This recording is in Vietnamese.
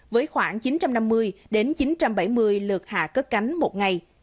với khoảng chín trăm năm mươi chín trăm bảy mươi lượt hạ cất cánh một ngày